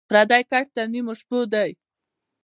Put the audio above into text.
پردى کټ تر نيمو شپو دى.